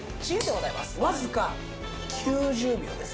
わずか９０秒です。